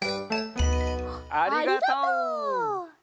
ありがとう！